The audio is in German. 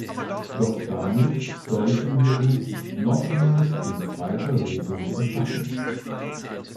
Doch damit sollten wir uns nochmals in zweiter Lesung befassen.